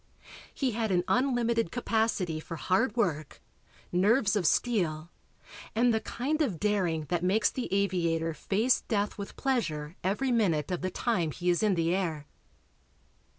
"He had an unlimited capacity for hard work, nerves of steel and the kind of daring that makes the aviator face death with pleasure every minute of the time he is in the air."